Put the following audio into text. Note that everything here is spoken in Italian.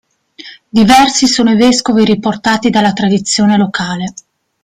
Diversi sono i vescovi riportati dalla tradizione locale.